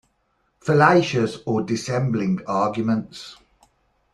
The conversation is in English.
Fallacious or dissembling arguments.